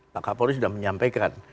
pak kapolri sudah menyampaikan